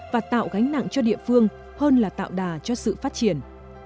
và tạo gánh nặng cho địa phương hơn là tạo đà cho sự phát triển